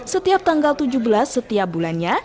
setiap tanggal tujuh belas setiap bulannya